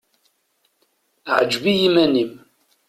Ɛǧeb i yiman-im.